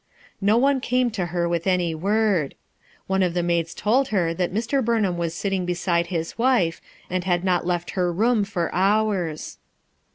No one came to her with any word. One of the maids told her that Mr. Burnham was sitting beside his wife, and had not left her room for hours.